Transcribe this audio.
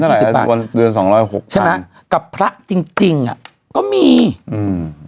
สิบหกวันเดือนสองร้อยหกใช่ไหมกับพระจริงจริงอ่ะก็มีอืม